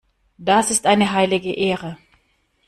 Das ist eine heilige Ehre.